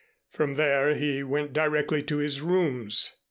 From there he went directly to his rooms.